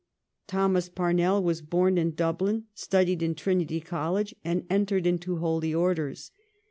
Thomas Parnell was born in Dubhn, studied in Trinity College and entered into Holy Orders.